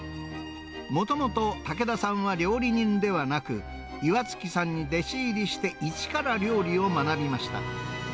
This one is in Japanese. もともと竹田さんは料理人ではなく、岩月さんに弟子入りして一から料理を学びました。